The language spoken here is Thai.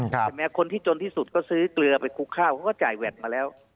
ใช่ไหมคนที่จนที่สุดก็ซื้อเกลือไปคลุกข้าวเขาก็จ่ายแวดมาแล้ว